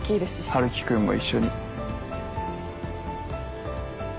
春樹君も一緒に。